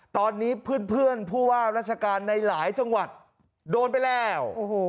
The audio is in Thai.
ตอนนี้เพื่อนผู้ว่าราชการในหลายจังหวัดโดนไปแล้ว